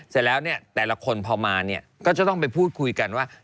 เสร็จแล้วแต่ละคนพอมาก็จะต้องไปพูดคุยกันว่า